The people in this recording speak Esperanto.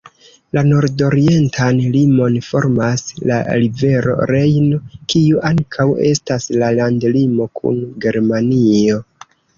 La nordorientan limon formas la rivero Rejno, kiu ankaŭ estas la landlimo kun Germanio.